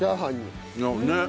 ねっ。